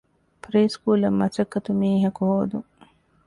ޕްރީ ސްކޫލަށް މަސައްކަތު މީހަކު ހޯދުން